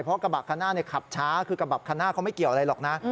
เพราะกระบะคันหน้าขับช้าคือกระบะคันหน้าเขาไม่เกี่ยวอะไรหรอกนะ